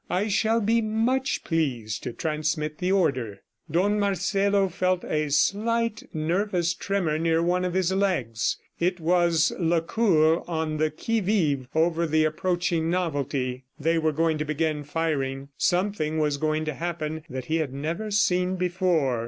"I shall be much pleased to transmit the order." Don Marcelo felt a slight nervous tremor near one of his legs; it was Lecour, on the qui vive over the approaching novelty. They were going to begin firing; something was going to happen that he had never seen before.